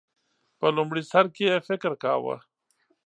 په لومړی سر کې یې فکر کاوه